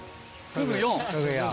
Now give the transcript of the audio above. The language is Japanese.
フグ４。